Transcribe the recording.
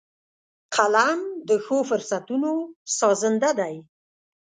قلم د ښو فرصتونو سازنده دی